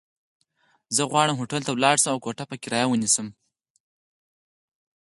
زه غواړم هوټل ته ولاړ شم، او کوټه په کرايه ونيسم.